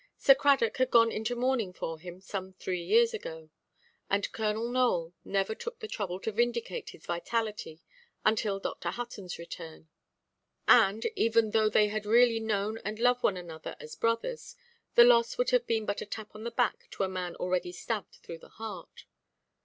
Sir Cradock had gone into mourning for him, some three years ago; and Colonel Nowell never took the trouble to vindicate his vitality until Dr. Huttonʼs return. And, even though they had really known and loved one another as brothers, the loss would have been but a tap on the back to a man already stabbed through the heart.